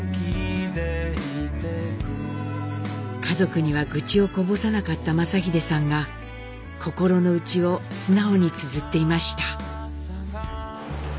家族には愚痴をこぼさなかった正英さんが心の内を素直につづっていました。